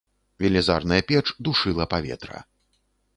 Велізарная печ душыла паветра.